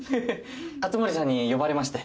熱護さんに呼ばれまして。